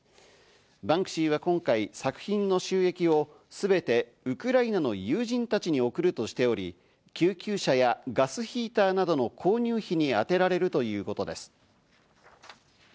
バンクシーは今回、作品の収益を全てウクライナの友人たちに送るとしており、救急車やガスヒーターなどの購入費に充てられるということです。